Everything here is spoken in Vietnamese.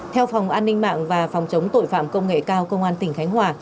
theo phòng an ninh mạng và phòng chống tội phạm công nghệ cao công an tỉnh khánh hòa